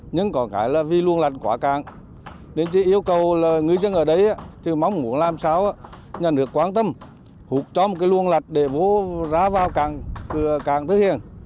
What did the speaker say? nếu như ở đấy chứ mong muốn làm sao nhà nước quan tâm hút cho một cái luồng lạch để vô ra vào cửa tư hiền